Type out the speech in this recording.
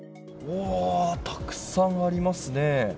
たくさんありますね。